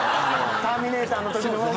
ターミネーターのときの方が。